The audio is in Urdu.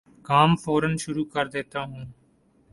کام فورا شروع کردیتا ہوں